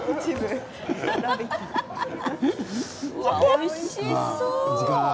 おいしそう。